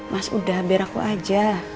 mas udah biar aku aja